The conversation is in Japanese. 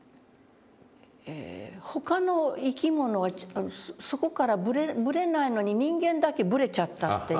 「他の生き物はそこからブレないのに人間だけブレちゃった」って言うわけ。